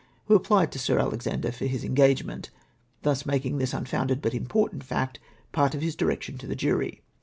who applied to Sir Alexander for his engagement !— thus making this un founded but important fact part of his direction to the jury.